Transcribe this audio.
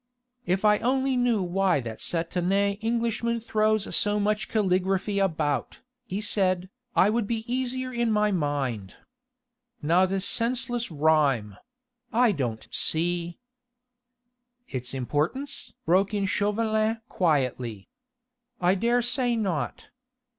"If I only knew why that satané Englishman throws so much calligraphy about," he said, "I would be easier in my mind. Now this senseless rhyme ... I don't see...." "Its importance?" broke in Chauvelin quietly. "I dare say not.